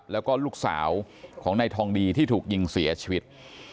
แล้วก็ลูกสาวของนายทองดีที่ถูกยิงเสียชีวิต